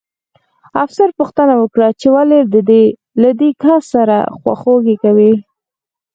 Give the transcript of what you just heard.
افسر پوښتنه وکړه چې ولې له دې کس سره خواخوږي کوئ